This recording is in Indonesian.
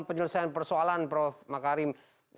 penyelesaian persoalan prof makarim